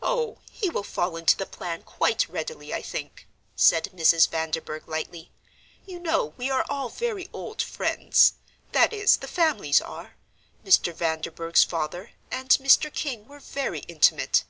"Oh, he will fall into the plan quite readily, I think," said Mrs. Vanderburgh, lightly. "You know we are all very old friends that is, the families are Mr. Vanderburgh's father and Mr. King were very intimate.